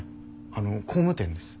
あの工務店です。